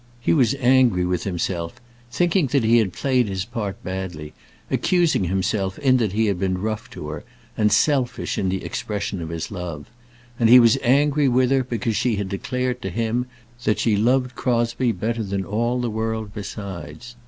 He was angry with himself, thinking that he had played his part badly, accusing himself in that he had been rough to her, and selfish in the expression of his love; and he was angry with her because she had declared to him that she loved Crosbie better than all the world besides.